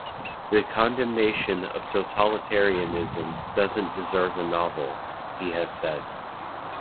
"The condemnation of totalitarianism doesn't deserve a novel," he has said.